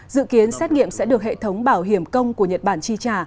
dự kiến xét nghiệm sẽ được hệ thống bảo hiểm công của nhật bản chi trả